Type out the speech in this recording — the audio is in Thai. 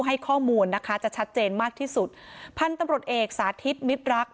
ให้ข้อมูลนะคะจะชัดเจนมากที่สุดพันธุ์ตำรวจเอกสาธิตมิตรรัก